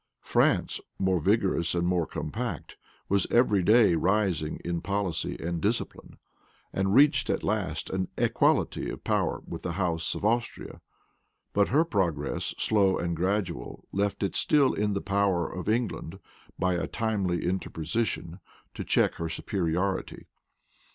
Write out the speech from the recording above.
France, more vigorous and more compact, was every day rising in policy and discipline; and reached at last an equality of power with the house of Austria; but her progress, slow and gradual, left it still in the power of England, by a timely interposition, to check her superiority.